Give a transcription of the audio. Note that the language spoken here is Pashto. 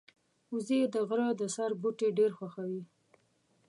وزې د غره د سر بوټي ډېر خوښوي